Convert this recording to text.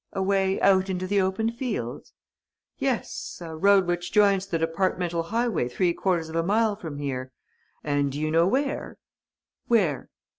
"A way out into the open fields?" "Yes, a road which joins the departmental highway three quarters of a mile from here.... And do you know where?" "Where?"